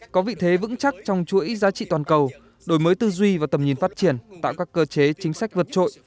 có vị thế vững chắc trong chuỗi giá trị toàn cầu đổi mới tư duy và tầm nhìn phát triển tạo các cơ chế chính sách vượt trội